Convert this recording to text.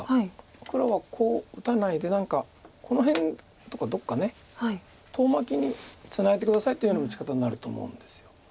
黒はこう打たないで何かこの辺とかどっか遠巻きにツナいで下さいっていうような打ち方になると思うんです。